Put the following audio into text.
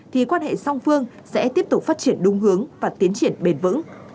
thì quan hệ song phương sẽ tiếp tục phát triển đúng hướng và tiến triển bền vững